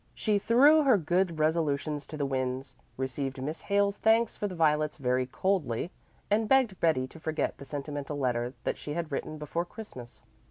She threw her good resolutions to the winds, received Miss Hale's thanks for the violets very coldly, and begged Betty to forget the sentimental letter that she had written before Christmas.